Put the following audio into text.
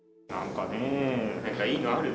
なんかいいのある？